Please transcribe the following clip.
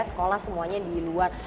sekolah semuanya di luar